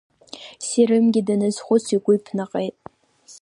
Серымгьы даназхәыц игәы иԥнаҟеит.